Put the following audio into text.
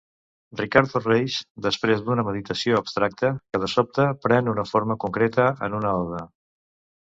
Ricardo Reis, després d'una meditació abstracta, que de sobte pren una forma concreta en una oda.